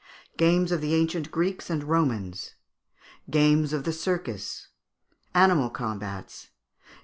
Games of the Ancient Greeks and Romans. Games of the Circus. Animal Combats.